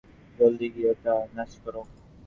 জলদি গিয়ে ওটা নাশ করো।